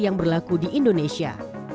yang berlaku di indonesia